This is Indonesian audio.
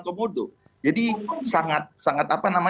periuk kita ini adalah taman kenasungan komodo